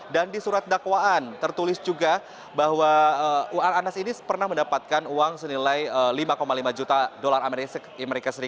dan di surat dakwaan tertulis juga bahwa anas ini pernah mendapatkan uang senilai lima lima juta dolar as